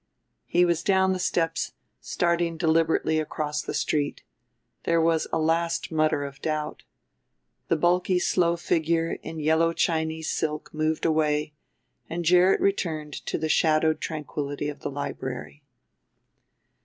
He was down the steps, starting deliberately across the street. There was a last mutter of doubt. The bulky slow figure in yellow Chinese silk moved away and Gerrit returned to the shadowed tranquillity of the library.